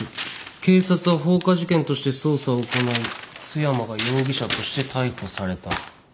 警察は放火事件として捜査を行い津山が容疑者として逮捕された。